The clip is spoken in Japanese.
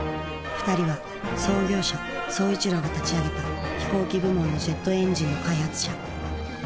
２人は創業者宗一郎が立ち上げた飛行機部門のジェットエンジンの開発者。